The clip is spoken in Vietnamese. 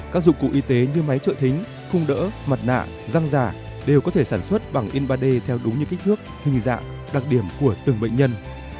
các dụng cụ y tế như máy trợ thính khung đỡ mặt nạ răng giả đều có thể sản xuất bằng in ba d theo đúng như kích thước hình dạng đặc điểm của từng bệnh nhân